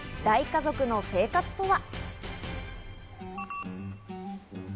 大家族の生活とは？